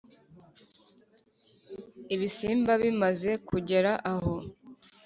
ibisimba bimaze kugera aho,